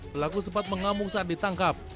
pelaku sempat mengamuk saat ditangkap